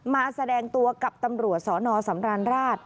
แสดงตัวกับตำรวจสนสำราญราช